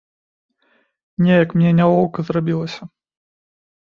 Неяк мне нялоўка зрабілася.